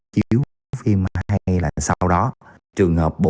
chiếu phim hay là sau đó